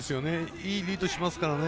いいリードしますからね